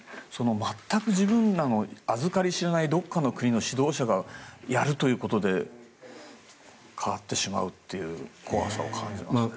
全く自分たちのあずかり知らないどこかの国の指導者がやるということで変わってしまうという怖さを感じます。